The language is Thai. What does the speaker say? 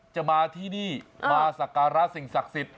จะมาที่นี่มาสักการะสิ่งศักดิ์สิทธิ